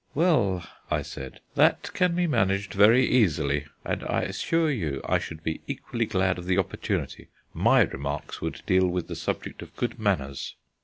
"Well," I said, "that can be managed very easily, and I assure you I should be equally glad of the opportunity. My remarks would deal with the subject of good manners."